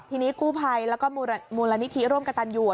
ทีนี้กู้ภัยแล้วก็มูลนิธิร่วมกับตันอยู่